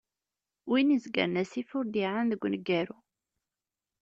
Win izegren asif, ur d-iɛan deg uneggaru.